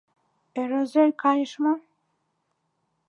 Ӧрӧзӧй кайыш мо?